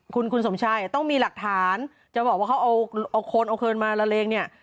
คุณคุณสมชัยต้องมีหลักฐานจะบอกว่าเขาเอาคนเอาคืนมาละเลงเนี่ย